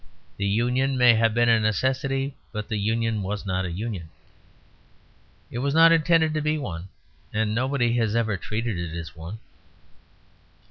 The Union may have been a necessity, but the Union was not a Union. It was not intended to be one, and nobody has ever treated it as one.